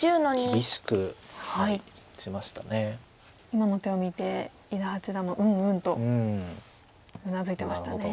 今の手を見て伊田八段もうんうんとうなずいてましたね。